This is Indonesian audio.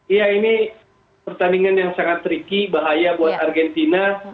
iya ini pertandingan yang sangat tricky bahaya buat argentina